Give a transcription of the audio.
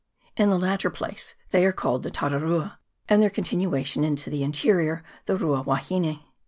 In the latter place they are called the Tararua, and their continuation into the interior the Rua wahine.